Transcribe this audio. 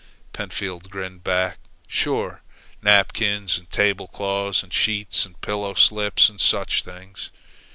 Pentfield grinned back. "Sure, napkins and tablecloths and sheets and pillowslips, and such things.